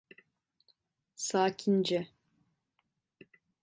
Sakince.